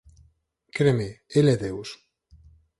Creme: El é Deus!